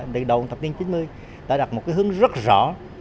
từ đầu tập niên chín mươi đã đặt một hướng rất rõ